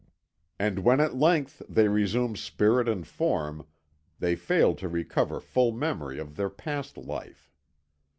And when at length they resume spirit and form they fail to recover full memory of their past life.